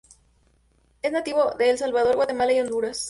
Es nativo de El Salvador, Guatemala y Honduras.